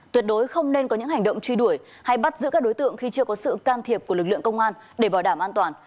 tuyệt đối không nên có những hành động truy đuổi hay bắt giữ các đối tượng khi chưa có sự can thiệp của lực lượng công an để bảo đảm an toàn